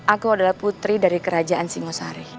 aku adalah putri dari kerajaan singosari